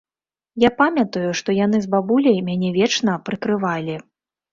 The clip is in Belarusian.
Я памятаю, што яны з бабуляй мяне вечна прыкрывалі.